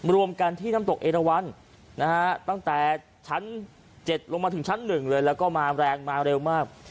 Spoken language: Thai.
รวมกันที่น้ำตกเอราวันตั้งแต่ชั้น๗ลงมาถึงชั้น๑เลยแล้วก็มาแรงมาเร็วมาก